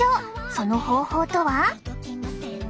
その方法とは？